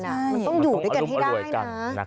มันต้องอยู่ด้วยกันให้ได้นะ